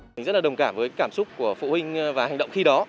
mình rất là đồng cảm với cảm xúc của phụ huynh và hành động khi đó